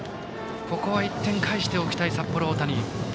ここは１点返しておきたい札幌大谷。